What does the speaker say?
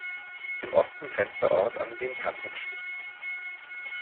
Im Osten grenzt der Ort an den Kanton Schwyz.